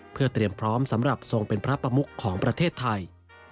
เพื่อเตรียมพร้อมสำหรับทรงเป็นพระประมุขของประเทศไทย